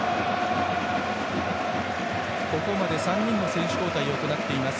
ここまで３人の選手交代をしています。